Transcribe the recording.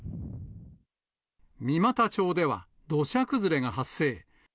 三股町では土砂崩れが発生。